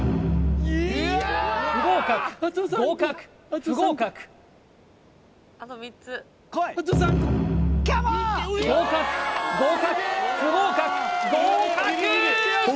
不合格合格不合格合格合格不合格合格おっ！